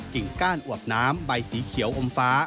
ก้านอวบน้ำใบสีเขียวอมฟ้า